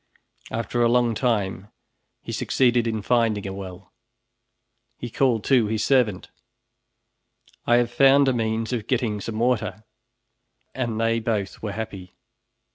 After a long time he succeeded in finding a well. He called to his servant, "I have found a means of getting some water," and they both were happy.